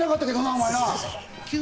お前な！